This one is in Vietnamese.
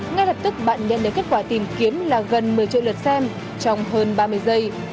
ngay lập tức bạn nhận được kết quả tìm kiếm là gần một mươi triệu lượt xem trong hơn ba mươi giây